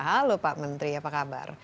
halo pak menteri apa kabar